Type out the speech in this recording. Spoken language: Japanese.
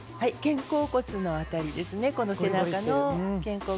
肩甲骨の辺りですね。